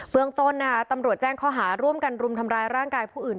เมืองต้นตำรวจแจ้งข้อหาร่วมกันรุมทำร้ายร่างกายผู้อื่น